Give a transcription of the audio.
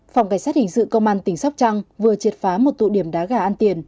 phòng cảnh sát hình sự công an tỉnh sóc trăng vừa triệt phá một tụ điểm đá gà ăn tiền